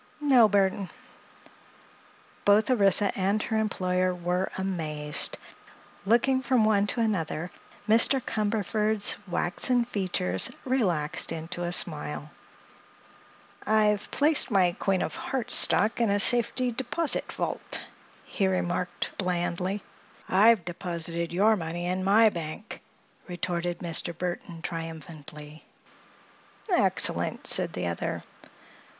"No, Burthon." Both Orissa and her employer were amazed. Looking from one to another, Mr. Cumberford's waxen features relaxed into a smile. "I've placed my Queen of Hearts stock in a safety deposit vault," he remarked blandly. "I have deposited your money in my bank," retorted Mr. Burthon, triumphantly. "Excellent!" said the other.